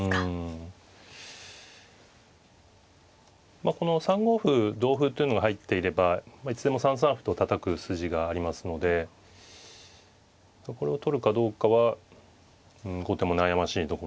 まあこの３五歩同歩っていうのが入っていればいつでも３三歩とたたく筋がありますのでこれを取るかどうかは後手も悩ましいところですね。